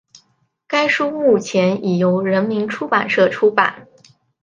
该书日前已由人民出版社出版